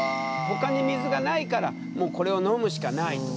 ほかに水がないからもうこれを飲むしかない。